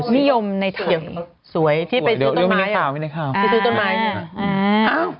นี่ยมในเทียมสวยมีในค่าว